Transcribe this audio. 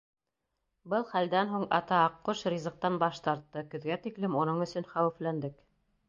Был хәлдән һуң ата аҡҡош ризыҡтан баш тартты, көҙгә тиклем уның өсөн хәүефләндек.